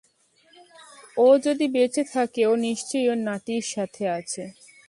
ও যদি বেঁচে থাকে, ও নিশ্চয়ই ওর নাতির সাথে আছে।